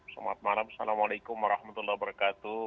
selamat malam assalamualaikum warahmatullahi wabarakatuh